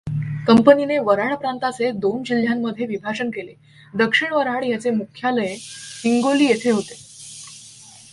कंपनीने वऱ्हाड प्रांताचे दोन जिल्ह्यांमध्ये विभाजन केले दक्षिण वऱ्हाड त्याचे मुख्यालय हिंगोली येथे होते.